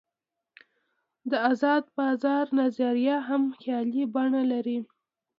د آزاد بازار نظریه هم خیالي بڼه لري.